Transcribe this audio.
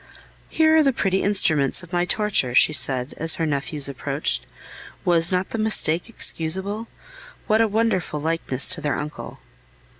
"Here are the pretty instruments of my torture," she said, as her nephews approached. "Was not the mistake excusable? What a wonderful likeness to their uncle!"